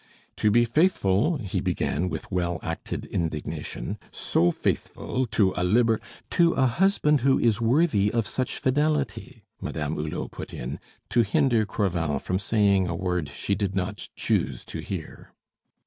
"To be faithful," he began, with well acted indignation, "so faithful to a liber " "To a husband who is worthy of such fidelity," Madame Hulot put in, to hinder Crevel from saying a word she did not choose to hear.